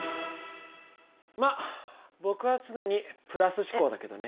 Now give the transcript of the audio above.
まっ僕は常にプラス思考だけどね。